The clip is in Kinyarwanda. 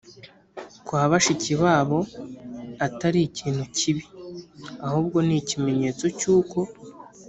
kwa bashiki babo atari ikintu kibi. Ahubwo ni ikimenyetso cy’uko